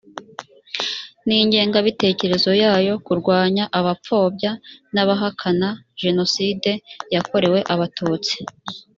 n ingengabitekerezo yayo kurwanya abapfobya n abahakana jenoside yakorewe abatutsi